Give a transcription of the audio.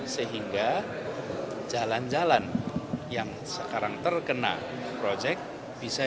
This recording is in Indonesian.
sehingga jalan jalan yang sekarang terkena